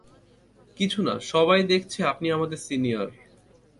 কিছু না, সবাই দেখছে আপনি আমাদের সিনিয়র।